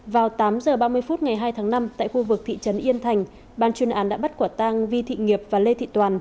vào tám h ba mươi phút ngày hai tháng năm tại khu vực thị trấn yên thành ban chuyên án đã bắt quả tang vi thị nghiệp và lê thị toàn